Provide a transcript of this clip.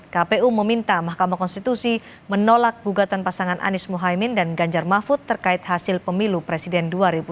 kpu meminta mahkamah konstitusi menolak gugatan pasangan anies mohaimin dan ganjar mahfud terkait hasil pemilu presiden dua ribu dua puluh